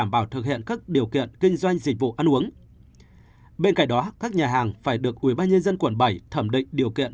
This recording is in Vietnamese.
bên cạnh đó các nhà hàng phải được ubnd quận bảy thẩm định điều kiện